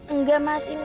enggak mas ini